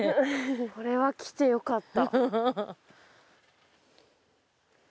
これは来てよかった。